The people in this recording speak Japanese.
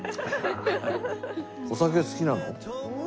お酒好きなの？